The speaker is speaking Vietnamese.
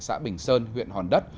xã bình sơn huyện hòn đất